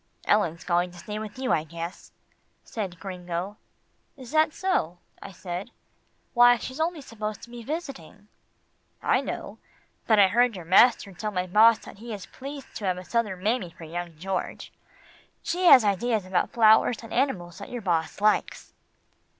"Ellen's going to stay with you, I guess," said Gringo. "Is that so?" I said. "Why, she's only supposed to be visiting." "I know, but I heard your master tell my boss that he is pleased to have a Southern mammy for young George. She has ideas about flowers and animals that your boss likes."